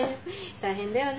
大変だよね